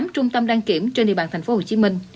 tám trung tâm đăng kiểm trên địa bàn tp hcm